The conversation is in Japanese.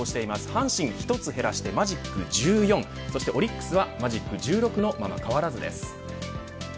阪神、１つ減らしてマジック１４そしてオリックスはマジック１６のまま変わらずです。